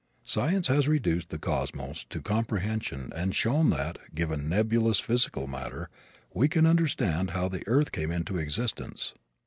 Science has reduced the cosmos to comprehension and shown that, given nebulous physical matter, we can understand how the earth came into existence.